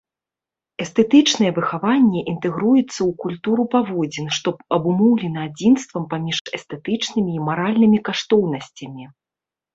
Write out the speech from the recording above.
Эстэтычнае выхаванне інтэгруецца ў культуру паводзін, што абумоўлена адзінствам паміж эстэтычнымі і маральнымі каштоўнасцямі.